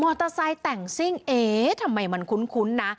เตอร์ไซค์แต่งซิ่งเอ๊ทำไมมันคุ้นนะ